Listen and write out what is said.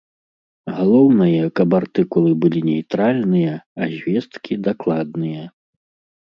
Галоўнае, каб артыкулы былі нейтральныя, а звесткі дакладныя.